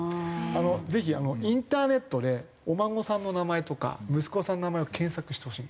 ぜひインターネットでお孫さんの名前とか息子さんの名前を検索してほしいんですよ。